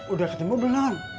udah ketemu belum